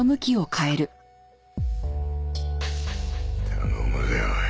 頼むよおい。